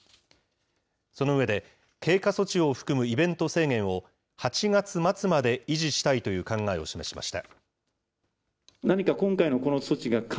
その上で、経過措置を含むイベント制限を８月末まで維持したいという考えを示しました。